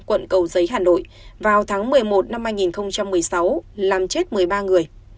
quận cầu giấy hà nội vào tháng một mươi một năm hai nghìn một mươi sáu làm chết một mươi ba người